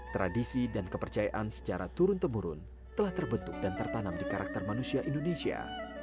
tradisi dan kepercayaan secara turun temurun telah terbentuk dan tertanam di karakter manusia indonesia